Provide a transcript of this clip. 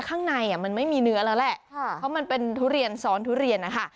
ข้างในมันไม่มีเนื้อแล้วแหละเพราะมันเป็นทุเรียนซ้อนทุเรียนนะคะ